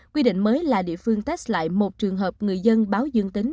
quy định mới là địa phương test lại một trường hợp người dân báo dương tính